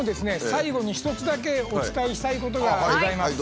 最後に一つだけお伝えしたいことがございます。